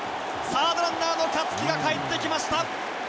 サードランナーの香月がかえってきました。